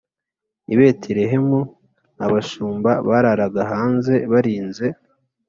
I betelehemu abashumba bararaga hanze barinze